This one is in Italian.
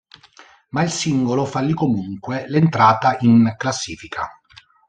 Ma il singolo fallì comunque l'entrata in classifica.